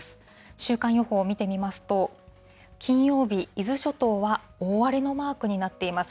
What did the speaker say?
週間予報見てみますと、金曜日、伊豆諸島は大荒れのマークになっています。